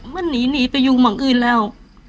มันหนีไปอยู่เมืองอื่นแล้ว